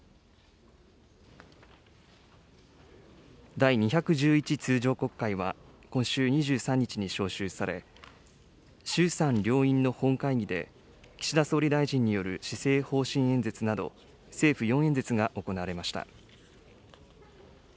第２１１通常国会は、今週２３日に召集され、衆参両院の本会議で、岸田総理大臣による施政方針演説など、政府４演説が行われました。